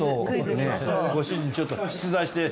ご主人ちょっと。